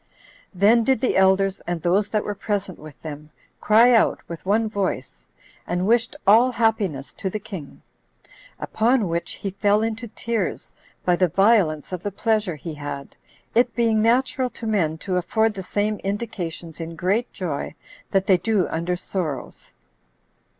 Then did the elders, and those that were present with them, cry out with one voice, and wished all happiness to the king. Upon which he fell into tears by the violence of the pleasure he had, it being natural to men to afford the same indications in great joy that they do under sorrows.